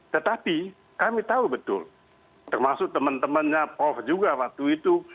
tetapi kami tahu betul termasuk teman temannya prof juga waktu itu